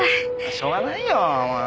しょうがないよ。